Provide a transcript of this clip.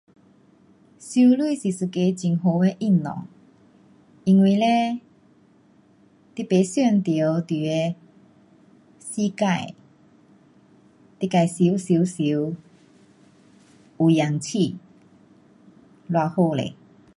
游泳是一个很好的运动。因为嘞你不伤到你的膝盖，你自游游游，有氧气，多好嘞。